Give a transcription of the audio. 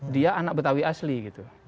dia anak betawi asli gitu